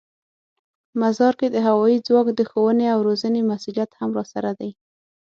مزار کې د هوايي ځواک د ښوونې او روزنې مسوولیت هم راسره دی.